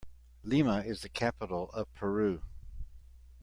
Lima is the capital of Peru.